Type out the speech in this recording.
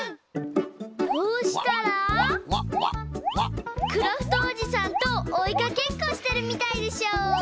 こうしたらクラフトおじさんとおいかけっこしてるみたいでしょ。